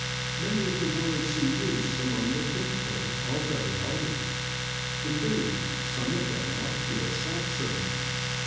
'' Many of the words in use among the people are very old ; indeed, some of them are pure Saxon.